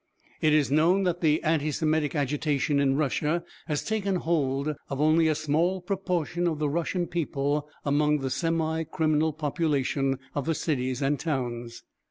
It is known that the anti Semitic agitation in Russia has taken hold of only a small proportion of the Russian people among the semi criminal population of the cities and towns.